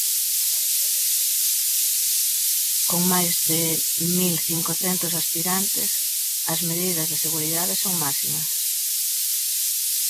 Con máis de mil cincocentos aspirantes, as medidas de seguridade son máximas.